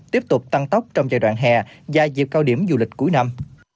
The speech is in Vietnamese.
tiếp tục tăng tốc trong giai đoạn hè và dịp cao điểm du lịch cuối năm